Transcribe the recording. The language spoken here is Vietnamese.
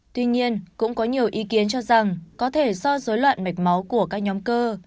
tuy nhiên cũng có nhiều ý kiến cho rằng có thể do dối loạn mạch máu của các nhóm cơ